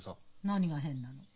何が変なの？